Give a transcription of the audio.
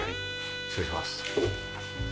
失礼します。